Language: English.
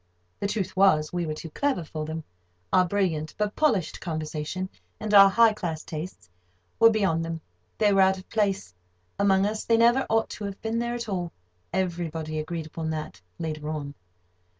The truth was, we were too clever for them. Our brilliant but polished conversation, and our high class tastes, were beyond them. They were out of place, among us. They never ought to have been there at all. Everybody agreed upon that, later on.